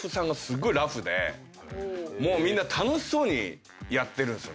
もうみんな楽しそうにやってるんですよ。